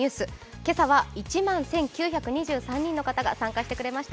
今朝は１万１９２３人の方が参加してくれました。